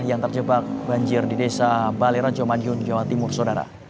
yang terjebak banjir di desa balai rejo madiun jawa timur sodara